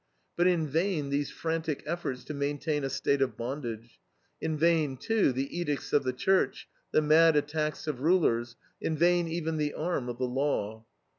But in vain these frantic efforts to maintain a state of bondage. In vain, too, the edicts of the Church, the mad attacks of rulers, in vain even the arm of the law.